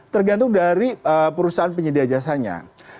tergantung dari perusahaan penyedia jasanya